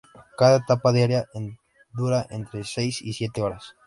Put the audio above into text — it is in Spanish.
Cada etapa diaria dura entre seis y siete horas.